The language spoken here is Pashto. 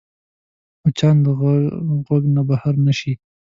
مچان د غوږ نه بهر نه شي